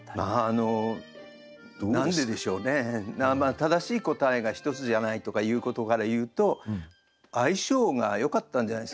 正しい答えが１つじゃないとかいうことからいうと相性がよかったんじゃないですかね。